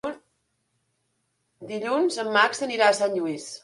Dilluns en Max anirà a Sant Lluís.